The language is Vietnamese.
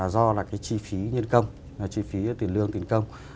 do là cái chi phí nhân công chi phí tiền lương tiền công